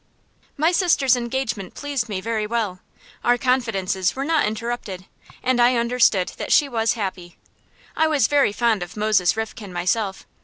My sister's engagement pleased me very well. Our confidences were not interrupted, and I understood that she was happy. I was very fond of Moses Rifkin myself.